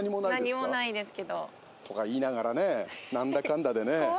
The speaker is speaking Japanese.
何もないですけど。とか言いながらねぇ何だかんだでねぇ。